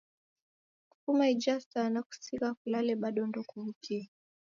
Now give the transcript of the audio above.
Kufuma ija saa nakusigha kulale bado ndekuwukie?